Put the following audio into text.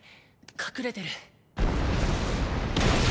隠れてる。